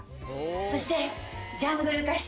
そして。